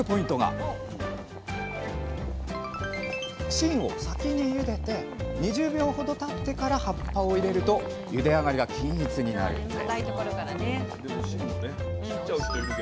芯を先にゆでて２０秒ほどたってから葉っぱを入れるとゆであがりが均一になるんです